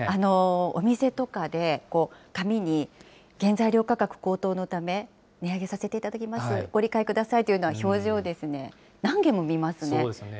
お店とかで紙に原材料価格高騰のため、値上げさせていただきます、ご理解くださいというような表示を、何軒も見ますね。